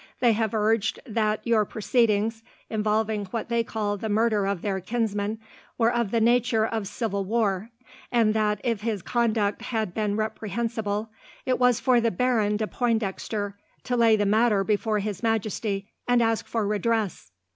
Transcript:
They have urged that your proceedings, involving what they call the murder of their kinsman, were of the nature of civil war; and that, if his conduct had been reprehensible, it was for the Baron de Pointdexter to lay the matter before His Majesty and ask for redress.